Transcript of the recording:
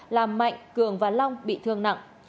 làm mạnh cường và long bị thương nặng